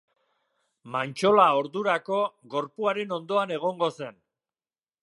Mantxola ordurako gorpuaren ondoan egongo zen.